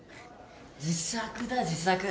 自作だ自作。